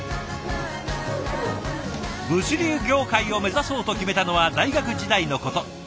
物流業界を目指そうと決めたのは大学時代のこと。